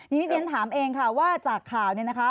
นิดนี้เดี๋ยวผมถามเองค่ะว่าจากข่าวนะคะ